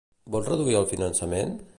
Vol reduir el finançament?